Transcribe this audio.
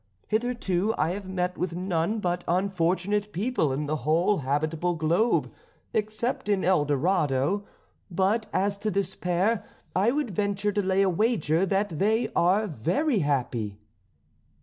Hitherto I have met with none but unfortunate people in the whole habitable globe, except in El Dorado; but as to this pair, I would venture to lay a wager that they are very happy."